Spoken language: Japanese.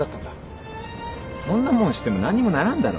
そんなもん知っても何にもならんだろ。